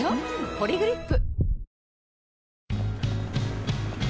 「ポリグリップ」